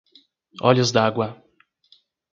Olhos-d'Água